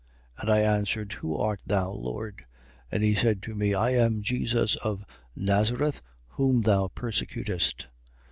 22:8. And I answered: Who art thou, Lord? And he said to me: I am Jesus of Nazareth, whom thou persecutest.